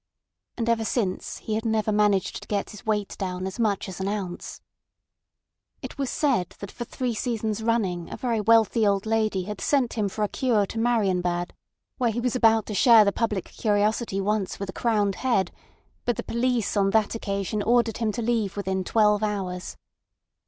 And ever since he had never managed to get his weight down as much as an ounce. It was said that for three seasons running a very wealthy old lady had sent him for a cure to Marienbad—where he was about to share the public curiosity once with a crowned head—but the police on that occasion ordered him to leave within twelve hours.